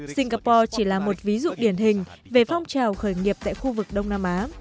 singapore chỉ là một ví dụ điển hình về phong trào khởi nghiệp tại khu vực đông nam á